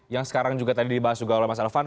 yang sekarang juga tadi dibahas juga oleh mas elvan